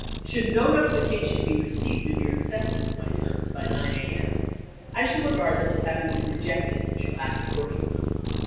Should no notification be received of your acceptance of my terms by 9 a. m., I shall regard them as having been rejected, and shall act accord ingly.